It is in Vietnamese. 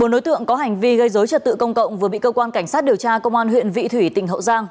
bốn đối tượng có hành vi gây dối trật tự công cộng vừa bị cơ quan cảnh sát điều tra công an huyện vị thủy tỉnh hậu giang